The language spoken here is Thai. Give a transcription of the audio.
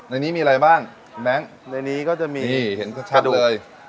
ในนี้มีอะไรบ้างแม๊งนี่เห็นก็ชัดเลยเสร็จเลย